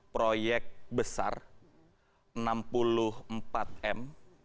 proyek besar enam puluh empat m